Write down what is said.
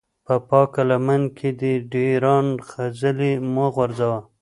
په پاکه لمن کې دې د ډېران خځلې مه غورځوه.